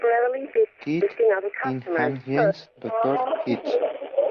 Kidd, H. and James, D. R., Eds.